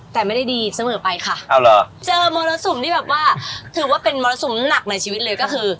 แต่ไม่ได้ดีเสมอไปค่ะเจอมรสุมที่แบบว่าถือว่าเป็นมรสุมหนักในชีวิตเลยก็คือ